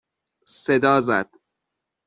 صدا زد